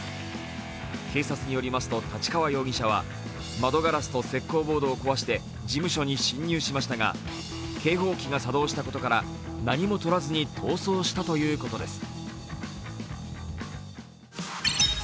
警察によりますと、太刀川容疑者は窓ガラスと石こうボードを壊して事務所に侵入しましたが警報器が作動したことから何も取らずに逃走したということです。